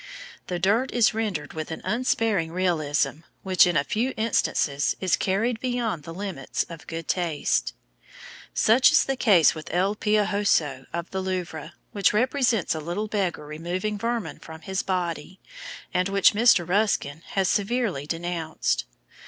The dirt is rendered with an unsparing realism which, in a few instances, is carried beyond the limits of good taste. Such is the case with El Piojoso of the Louvre, which represents a little beggar removing vermin from his body, and which Mr. Ruskin has severely denounced.